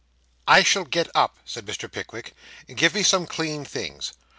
'I shall get up,' said Mr. Pickwick; 'give me some clean things.